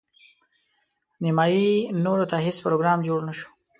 نیمايي نورو ته هیڅ پروګرام جوړ نه شو.